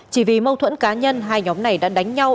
chỉ vì mâu thuẫn cá nhân hai nhóm này đã đánh nhau